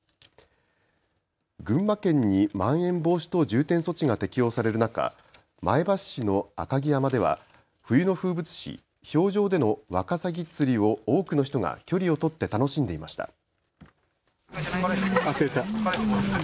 群馬県にまん延防止等重点措置が適用される中、前橋市の赤城山では冬の風物詩、氷上でのワカサギ釣りを多くの人が距離を取って楽しんでいました。